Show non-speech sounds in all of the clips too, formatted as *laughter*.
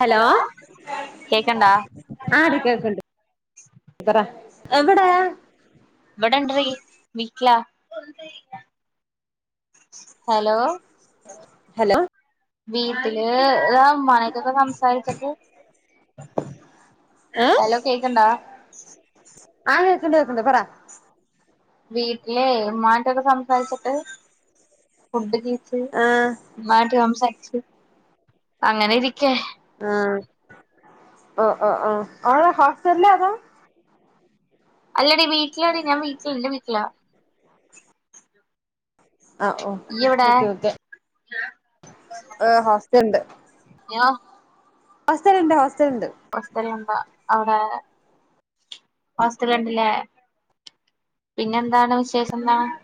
Hello കേക്കണ്ടാ എവടെ ഇവിടെണ്ടടി വീട്ടിലാ ഹലോ ഹലോ വീട്ട്ല് മ്മാന്റെട്തൊക്കെ സംസാരിച്ചിട്ട് ഏ ഹലോ കേക്ക്ണ്ടോ ആ കേക്കണ്ട് കേക്കണ്ട് പറ വീട്ട്ല് ഇമ്മാന്റെട്തൊക്കെ സംസാരിച്ചിട്ട് ഫുഡ്‌ ചീ ആ ഇമ്മാന്റെറ്റൊക്കെ സംസാരിച്ചിട്ട് അങ്ങനെ ഇരിക്കാണ് ഓ ഓ ഹോസ്റ്റലിലാ അതോ അല്ലടി വീട്ട്ലാടി ഞാൻവീട്ടിൽ ഇന്റെ വീട്ടിലാ ആ ഓ ഇയ്യ് ഓക്കേ എവിടെ ഓക്കേ ഹ് ഹോസ് ട്ട്‌ണ്ട് ഞാ ഹോസ്റ്റല്ണ്ട് ഹോ ഹോസ്റ്റലിൽ ഇണ്ടോ അയുടെ ഹോസ്റ്റല്ണ്ട്ലെ പിന്നെന്താണ് വിശേഷന്താണ്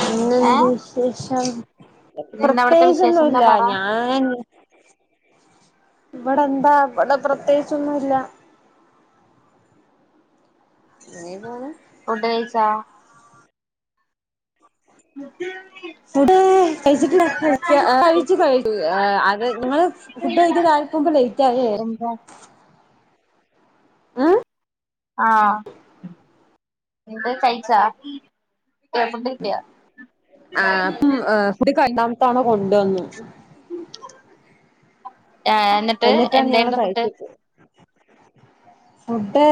പിന്നെന്ത് ഏഹ് വിശേഷം പിന്നെന്താ അവിടത്തെ പ്രത്യേകിച്ച് വിശേഷം എന്താ ഒന്നുയില്ല പറ ഞാന് വടെന്താ വടെ പ്രത്യേകിച്ച് ഒന്നുയില്ല അങ്ങനെ പോൺ ഫുഡ് കഴിച്ചോ? മ് ഫുഡെ കഴിച്ചിട്ടില്ല കഴിക്കാൻ കഴിച്ച് കഴിഞ്ഞു ഏ അത് ഞങ്ങൾ ഫുഡ് കഴിക്കാൻ *unintelligible* ലെയ്റ്റായേ എന്താ ഉം ആ ന്ന്ട്ട് കയിച്ചോ ആ ഇപ്പം *unintelligible* തവണ കൊണ്ട് വന്നു ഏ എന്നിട്ട് എന്തായിരുന്നു ഫുഡ് മുട്ടെ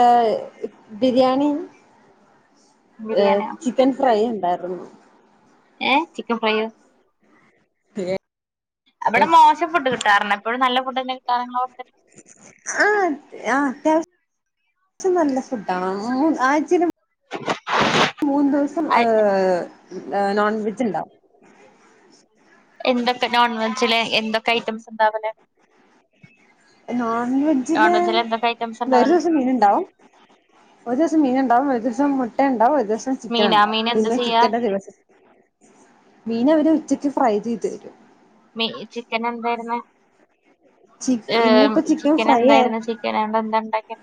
ഏ ബിരിയാണിം ബിരിയാണിയാ ചിക്കൻ ഫ്രൈയും ഇണ്ടായിരുന്നു എ ചിക്കൻ ഫ്രൈയോ അവിടെ മോശം ഫുഡ് കിട്ടാറുണ്ട് എപ്പളും നല്ല ഫുഡെന്നെ കിട്ടാർ നിങ്ങളെ ഹോസ്റ്റലിൽ സെം നല്ല ഫുഡാണ് ഉം ആഴ്ചയിൽ *inaudible* മൂന്നു ദിവസം ഏ നോൺ വെജ് ഇണ്ടാവും ന്തൊക്കെ നോൺ വെജിലെ എന്തൊക്കെ ഐറ്റംസ് ഇണ്ടാവുന്നെ നോൺ വെജിൽ എന്തൊക്കെ ഐറ്റംസ് ഒരു ഉണ്ടാവല് ദിവസം മീൻ ഇണ്ടാവും ഒരു ദിവസം മീൻ ണ്ടാവും ഒരു ദിവസം മുട്ട ഇണ്ടാവും ഒരു ദിവസം ചിക്കൻ മീനാ ഇണ്ടാവും. മീൻ എന്താ ഇന്ന് ചെയ്യാ ചിക്കന്റെ ദിവസാ മീൻ അവര് ഉച്ച ക്കെ ഫ്രൈ ചെയ്തെരും മീ ചിക്കൻ എന്തെയ്ര്ന്ന് ചിക്ക ഏ ഇന്നിപ്പോ ചിക്കൻ ഫ്രൈ ആയി എന്തെയ്ര്ന്ന് ചിക്കനോണ്ട് എന്താ ഇണ്ടാക്കിയെ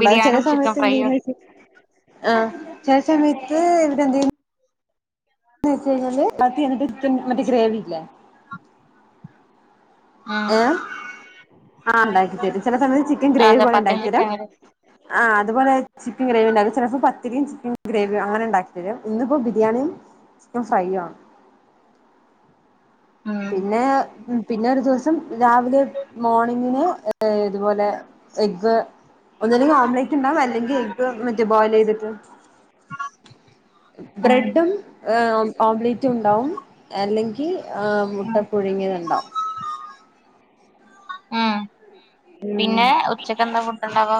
ബിരിയാണിയും ചിക്കൻ ഫ്രൈയും ന്ന് ചോയിച്ച് കഴിഞ്ഞാൽ *unintelligible* മറ്റെ ഗ്രേവിയില്ലെ ഉം ഏ ആ ഇണ്ടാക്കി തരും ചെല സമയത്ത് ചിക്കൻ ആഹ് ഗ്രേവി പോലെ ചപ്പാത്തിയും ഇണ്ടാക്കി തരും ചിക്കൻ കറിയും ആ അത് പോലെ ചിക്കൻ ഗ്രേവി ചെലപ്പം പത്തിരി മീൻസ് ഗ്രേവിയോ അങ്ങനെ ഇണ്ടാക്കി തരും ഇന്ന് ഇപ്പം ബിരിയാണി യും ചിക്കൻ ഫ്രൈയും ആണ് ഉം പിന്നെ പിന്നെ ഒരു ദിവസം രാവിലെ മോണിംഗ് ന് ഇതുപോലെ സെയ്ക് ഒന്നല്ലെങ്കി ഒംബ്ലൈറ്റ് ണ്ടാവും. അല്ലെങ്കി എഗ്ഗ് വ മറ്റ് ബോയിലെയ്തിട്ട് ബ്രെഡും ഉം ഏ ഉം ഒംബ്ലൈറ്റ് ഉണ്ടാവും അല്ലെങ്കി ആ മുട്ട പുഴുങ്ങിയത് ണ്ടാവു ആ പിന്നെ ഉച്ചക്ക് എന്താ ഫുഡ് ഉണ്ടാവ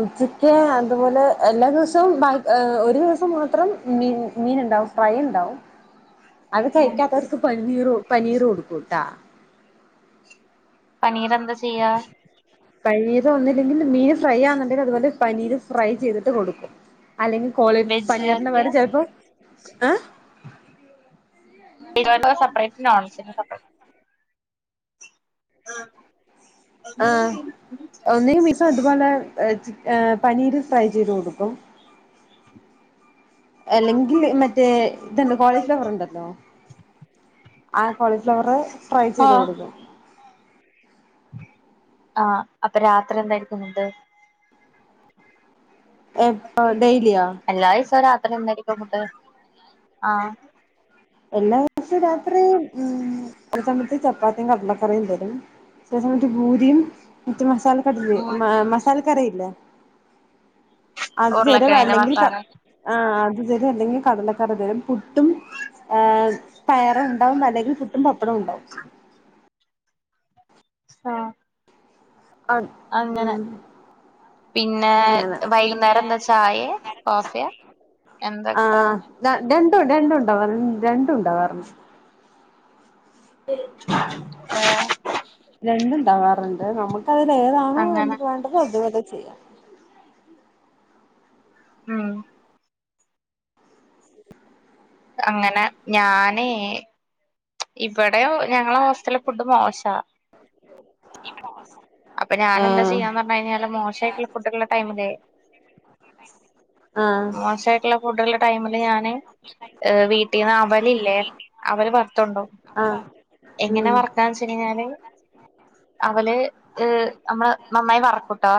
ഉച്ചക്ക് അതുപോലെ എല്ലാ ദിവസവും ബാക് ഏ ഒരു ഫ് മാത്രം മീന് മീൻ ഉണ്ടാവും ഫ്രൈ ഉണ്ടാവും അത് കഴിക്കാത്തവർക്ക് പനനീറു പനീറ് കൊടുക്കുട്ടാ *unintelligible* ന്ത ചെയ്യ കയ്തേ ഒന്നൂല്ലെങ്കില് മിയെസ് ഫ്രയ്യാന്ന്ണ്ടെല് അത് പോലെ പനീര് ഫ്രൈ ചെയ്ത്ട്ട് കോഡ്ക്കും അല്ലെങ്കി കോള് പനീറിന്റെ പകരം വെജുകാർക്ക് ചെൽപ്പോ എ ഹ് *unintelligible* ആ *unintelligible* *unintelligible* എല്ലങ്കി മറ്റേ ഇത്ണ്ട് കോളിഫ്ലവർ ഉണ്ടല്ലോ ആ കോളിഫ്ലവർ ഫ്രൈ ചെയ്ത് കൊടുക്കും ആ അപ്പൊ രാത്രി എന്താ യിരിക്കും ഫുഡ് എപ്പോ ഡെയിലിയോ എല്ലാ *unintelligible* ഫുഡ് ആഹ് എല്ലാസം രാത്രി ചെലസമയത് ചപ്പാത്തിയും കടലക്കറിയും വരും ചെലസമയത് പൂരിയും മസാല കടലി ഉം മ മസാല കറിയില്ലേ *unintelligible* ഉരുളക്കിഴങ്ങിന്റെ വല്ലങ്കിൽ പ മസാല ആ ഇതിലി അല്ലങ്കി കടല കറി തിലും പു ട്ടും ആ പയർണ്ടാഉം അല്ലങ്കി പുട്ടും പപ്പടം ഉണ്ടാകും ആ ആ ഉം പിന്നെ അങ്ങനെ പിന്നെ വൈകുന്നേരം എന്താ ചായേ കോഫിയാ എന്താ *inaudible* ആ കിട്ടാ രണ്ടുഒണ്ട് രണ്ടുഒണ്ടാകും അതിന്റെ തുണ്ടാവാറുണ്ട് രണ്ടും ഉണ്ടാവറുണ്ട് നമ്മക്കതിലേതാണോ വേണ്ട അങ്ങനെ വേണ്ടത് അത്പോലെ ചെയ്യാം ഉം അങ്ങനെ ഞാനെ ഇവടെയൊ ഞങ്ങളെ ഹോസ്റ്റലിലെ ഫുഡ് മോശ അപ്പോ ഞാനെന്താ ഏഹ് ചെയ്യാന്ന് പറഞ്ഞു കഴിഞ്ഞാല് മോശായി ഫുഡുള്ള ടൈമിലെ ആഹ് മോശായിട്ടുള്ള ഫുഡുള്ള ടൈമി ല് ഞാന് എ് വീട്ടീന്നവലില്ലേ അവല് വ ഓ ആഹ് എങ്ങനാ ഉം വറക്കാന്ന് വെച്ചുകഴിഞ്ഞ് കഴിഞ്ഞാല് അവല് എ് നമ്മള് നന്നായി വറ ക്കുട്ടോ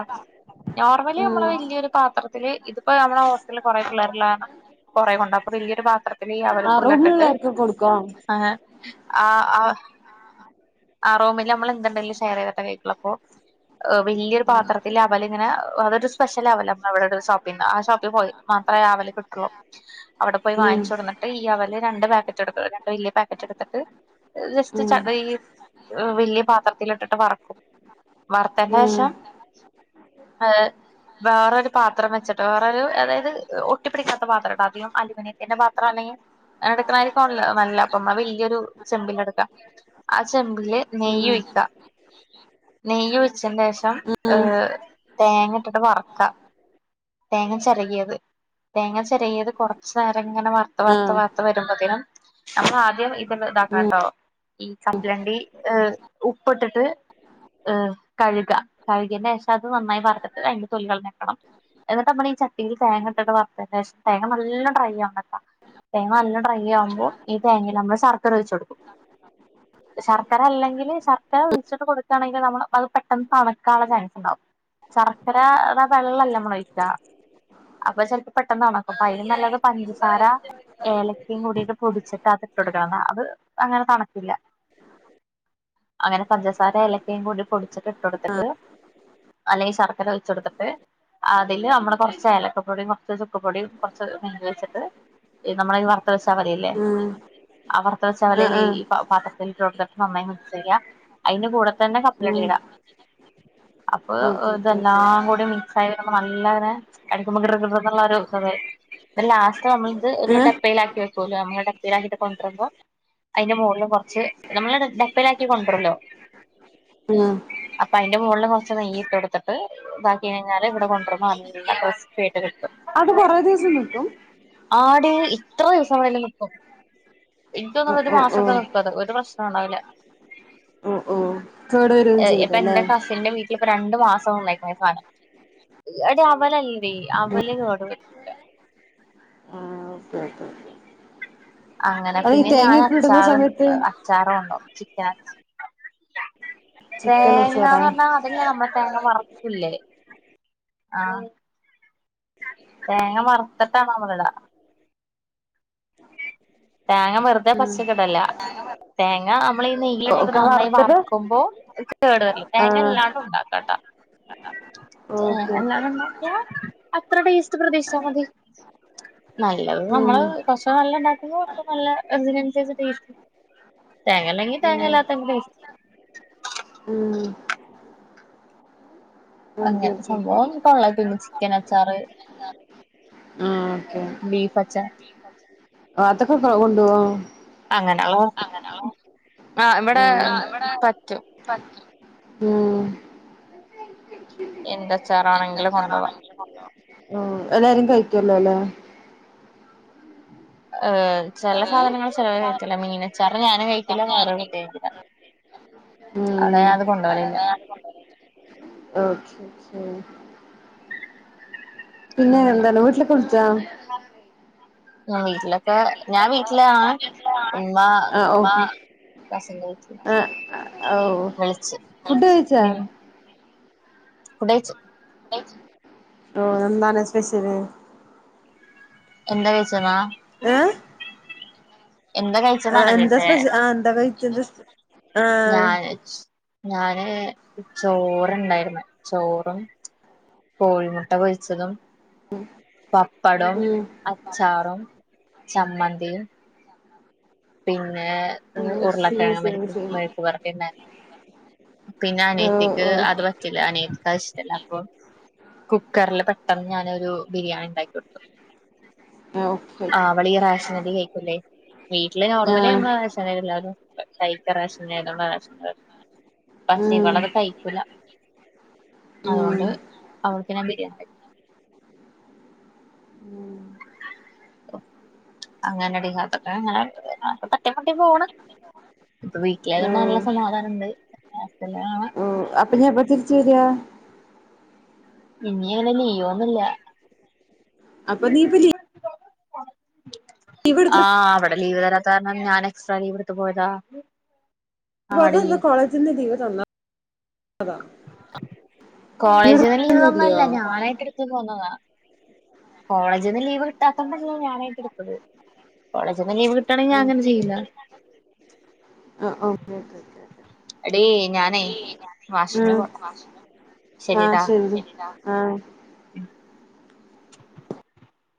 നോർമലി നമ്മള് ഉം വല്യൊരു പത്ര പ്പഴ് ഇതിപ്പോ നമ്മുടെ ഹോസ്റ്റലില് കുറെ പിള്ളേരൊള്ള കാരണം കൊറെ കൊണ്ടൊകും അപ്പോ വലിയ ഒരു പാത്ര ആ റൂമുള്ളോർക്കൊക്കെ കൊട്ക്കോ ഏ ആ ആ ആ റൂമില് നമ്മളെന്ത്‌ണ്ടെങ്കിലും ഷെയറൈതി ട്ടെ കഴിക്കൊള്ളൂ അപ്പോ ഏ വെല്ല്യൊരു പാത്രത്തില് അവലിങ്ങനെ അതൊരു സ്പേഷ്യല വലാ *unintelligible* അവടെതൊരു ഷോപ്പിന്ന് ആ ഷോപ്പി പോയി മാത്രേ അവില് കിട്ടൊള്ളൂ അവടെ പോയി ഉം വാങ്ങിച്ച് കൊട്ന്ന്ട്ട് ഈ അവല് രണ്ട് പക്കറ്റെട്ത്ത് രണ്ട് വെല്ല്യ പാക്കറ്റെടുത്തിട്ട് ജെസ്റ്റ് ഉം ചാ വെ അ് വെല്ല്യ പാത്രത്തിലിട്ട് ട്ട് വറക്കും ഉം വറത്തേൻ്റെഷം ഏ വേറൊരു പാത്രം വെച്ച്ട്ട് വേറൊരു അതായത് ഒട്ടിപിടിക്കാത്ത പാത്രട്ടാദ്യം അലൂമിനിയത്തിൻ്റെ പാത്രം അല്ലെങ്കി *unintelligible* വള്ള നമ്മെ വെല്ല്യൊരു ചെമ്പിലാട്ക്കാ അ ചെമ്പ്‌ല് ഉം നെയ്യൊഴിക്ക നെയ്യൊഴിച്ചേൻ്റെ ഷം അ് ഉം തേങ്ങട്ടിട്ട് വറക്കാ തേങ്ങ ചരകിയത്. തേങ്ങ ച രകിയത് കൊറച്ച എങ്ങനെ വർത്ത് വർത്ത് ആഹ് വർത്ത് വരുമ്പോതിനും നമ്മൾ ആദ്യം ഇതൊന്ന് താക്കണ ഉം ട്ടോ ഈ ച അ് ഉ പ്പ്ട്ട്ട്ട് അ് കഴുക കഴുകിയന്റെ ശേഷം അത് നന്നായി പറഞ്ഞിട്ട് അതിന്റെ തൊലി കളഞ്ഞ് വെക്കണം എന്നിട്ട് നമ്മൾ ഈ ച- തിൽ തേങ്ങട്ടിട്ട് വർത്തേൻ്റെ ഷം തേങ്ങ നല്ല ഡ്രൈ ആവണ ട്ടോ. തേങ്ങ നല്ല ഡ്രൈ ആവുമ്പോ ഈ തേങ്ങിൽ നമ്മള് ശർക്കര ഒഴിച്ച് കൊടുക്കും. ശർക്കര അല്ലെങ്കിൽ ശർക്കര ഒഴിച്ചിട്ട് കൊടുക്കാണെങ്കിൽ നമ്മള് അത് പെട്ടെന്ന് തണുക്കാനുള്ള ചാൻസ് ഉണ്ടാവും ശർക്കര താ വെള്ളല്ല മ്മള് ഒഴിക്ക. അപ്പൊ ചിലപ്പ പെട്ടെന്ന് ണക്കും അപ്പ അയ്ലും നല്ലത് പഞ്ചസാര ഏലക്കയും കൂടിട്ട് പൊടിച്ചിട്ട് അത് ഇട്ട് കൊടുക്കണതാ അത് അങ്ങനെ തണക്കില്ല അങ്ങനെ പഞ്ചസാരെം ഏലക്കയും കൂടി പൊടിച്ചിട്ട് ഇട്ട് കൊടുത്തിട്ട് അല്ലെങ്കിൽ ശർ ക്കർ ഒഴിച്ചൊടുത്തിട്ട് അതില് നമ്മള് കുറച്ച് ഏലക്കപ്പൊടീം കുറച്ച് ചുക്ക് പൊടീം കുറച്ച് തീ വെച്ചിട്ട് നമ്മള് ഈ വർ ത്ത് വെച്ച വലയില്ലേ ഉം ആ വറത്ത ആഹ് വെച്ചാവലയില് ആഹ് ഈ പാത്ര *unintelligible* നന്നായി മിക്സ് ചെയ്യ. അയ്ൻ്റെ കൂടെ തന്നെ കപ്പലണ്ടി ഉം ഇടാ അപ്പൊ ഓക്കെ ഓക്കെ ഇതെല്ലാം ഓക്കെ കൂടി മിക്സ് ആയി വരുമ്പോ നല്ല ഒര് കാടിക്കുമ്പ കൃ കൃ എന്നുള്ളരു *unintelligible* ലാസ് റ്റ് നമ്മൾത് ഒരു ഏഹ് ഡപ്പയിലാക്കി വെ ക്കൂലോ നമ്മള് ഡപ്പയിലാക്കീട്ട് കൊണ്ടരുമ്പോ അയ്‌ന്റെ മോള്ല് കൊർച്ച് നമ്മള് ടപ്പേലാക്കി കൊണ്ടര്ല്ലോ ഉം അപ്പൊ അയ്‌ന്റെ മോള്ള് കൊർച്ച് നെയ്യ് ഇട്ട് കൊടുത്തിട്ട് ഇതാക്കി കഴിഞ്ഞാല് ഇവടെ കൊണ്ടരുമ്പോ നല്ല ക്രിസ്പ്പി ആയ്ട്ട് കിട്ടും അത് കുറേ ദിവസം നിക്കും? ആടീ ഇത്ര ദിവസം വേണേലും നിക്കും ഇൻക്ക് തോന്നുന്നത് ഓഹ് ഒരു ഓഹ് മാസൊക്കെ ഓഹ് നിക്കുഅത് ഒരു പ്രശ് *unintelligible* ഒണ്ടാവില ഓഹ് ഓഹ് കേട് വരും ഏ ചെയ്തല്ലേ ഇപ്പെന്റെ കസിന്റെ വീട്ടിലിപ്പ ര ണ്ട്‌ മാസം *unintelligible* എടി അവലല്ലേ അവല് കേട് വരൂല ആഹ് ഓക്കെ ഓക്കെ ആ അങ്ങനെ അത് ഈ പിന്നെ തേങ്ങയൊക്കെ ഇടുന്ന ഞാനച്ചാറ് സമയത്ത് അച്ചാറ് കൊണ്ടോവും *unintelligible* ചിക്കൻ കച്ചോടാ തേങ്ങാന്ന് പറഞ്ഞാ അതില് നമ്മ തേങ്ങ വർ കുല്ലേ ആ തേങ്ങ വറത്തിട്ടാണ് നമ്മളിടാ തേങ്ങ വെറുതെ ഉം പച്ചക്കിടല്ല തേങ്ങ നമ്മളീ നെയ് യ്യ്ല്ങ്ങട് ഒക്കെ നന്നായ് വറുത്തിട്ട് വർക്കുമ്പോ *unintelligible* കേടുവരില്ല ആഹ് തേങ്ങല്ലാണ്ടും ണ്ടാക്കാട്ടോ ഓക്കെ ഓക്കെ തേങ്ങല്ലാതെ ണ്ടാക്യാ അ ത്ര ടേസ്റ്റ് പ്രതീക്ഷിച്ചാ മതി നല്ലത് നമ്മള് ഉം കൊർച്ച് നല്ലണ്ടാ ക്ക് മ്പോ കൊർച്ച് നല്ല ഇതിനൻസരിച്ച് ടേസ്റ്റ് തേങ്ങല്ലെങ്കി തേങ്ങല്ലാത്ത നമ്മക്ക് *unintelligible* ഉം ഓക്കെ അങ്ങനെ സംഭവം ഓക്കെ കൊള്ളാം പിന്നെ ചിക്കൻ അച്ചാറ് ആ ഓക്കേ ബീഫ് അച്ചാർ പാത്തകക്കോക്കെ കൊണ്ടൊവോ ആ ഇവിടെ പറ്റും മ്മ് എന്താ ച്ചാറാണെങ്കില് കൊണ്ടോവാ ഓഹ് എല്ലാരും കഴിക്കല്ലോല്ലേ ഏഹ് ചെല സാധനങ്ങള് ചെലവര് കഴിക്കില്ല മീനച്ചാറ് ഞാനും കഴിക്കില്ല വേറൊരു കുട്ടീം കഴിക്കില്ല ഉം അവ്ടെ ഞാനത് കൊണ്ടോവലില്ല മ്മ് പിന്നെ ഉം എന്താണ് വീട്ടിലേക്ക് വിളിച്ചോ ആ വീട്ടില് ഉമ്മ ഹസ്ബൻഡിന്റെ വീട്ടില് വിളിച്ച് ഫുഡ്‌ കഴിച്ചാ ഉം ഫുഡ് കഴിച്ച് അവിടെന്താണ് സ്പെഷ്യല് എന്താ കഴിച്ചെന്നോ ആ എന്താ സ്‌പെഷൽ ആ എന്താ കഴിച്ചത് ആഹ് ഞാന് ഞാൻ ചോറുണ്ടായിരുന്ന് ചോറും കോഴിമുട്ട പൊരിച്ചതും പപ്പടവും ഉം അച്ചാറും ചമ്മന്തിയും പി പിന്നെ ഉം സെയിം ഉരുളക്കിഴങ്ങ് സെയിം വരട്ടി സെയിം മെഴുക് വരട്ടിണ്ടാക്കി പിന്നെ ഓ അനിയത്തിക്ക് അത് ഓ പറ്റില്ല അനിയത്തിക്ക് അത് ഇഷ്ട്ടല്ല അപ്പൊ കുക്കറിൽ പെട്ടന്ന് ഞാന് ബിരിയാണി ഉണ്ടാക്കി കൊടുത്തു ഓക്കെ അവൾ ഈ റേഷൻ അരി കഴിക്കുലെ ഈ നോർമലി ആഹ് നമ്മൾ കഴിച്ചനതന്നെ എല്ലാരും *unintelligible* റേഷനായതോണ്ട റേഷൻ *unintelligible* പക്ഷേ ഉം അവളത് കഴിക്കൂല ഉം അതോണ്ട് അവൾക്ക് ഞാൻ ബിരിയാണി ഉണ്ടാക്കി ഉം അങ്ങനെ ടീ അതൊക്കെ ങ്ങനെ തട്ടി മുട്ടി പോണ് ഇപ്പൊ ഓ വീട്ടിലായൊണ്ട് നല്ല സമാധാനം ഉണ്ട് ഓ അപ്പൊ ഞാൻ എപ്പ തിരിച്ച് വരിക *unintelligible* ഇഞ് അങ്ങനെ ലീവൊന്നുല്ല *unintelligible* അപ്പൊ നീ ഇപ്പ ലീവ് *unintelligible* ആ എടുത്തിട്ട് ലീവ് തരാത്ത കാരണം ഞാൻ എക്സ്ട്രാ ലീവ് എടുത്ത് പോയതാ ആടി *unintelligible* *unintelligible* കോളേജ് ലീവ് ഒന്നുല്ല തന്നില്ലയോ ഞാൻ ആയിട്ട് ലീവ് എടുത്തതാ കോളേജ് ന്ന്‌ ലീവ് കിട്ടാത്തോണ്ടാ ഞാൻ ആയിട്ട് എടുത്തത് കോളേജ് ന്ന്‌ ലീവ് കിട്ടാണെങ്കിൽ ഓ ഞാൻഅങ്ങനെ ചെയ്യൂല ഓ ഓക്കെ ഓക്കെ ഓക്കെ എടി ഞാൻ വാഷ് നു ആഹ് പോകട്ടെ ശരി ട്ടോ ആഹ് *unintelligible*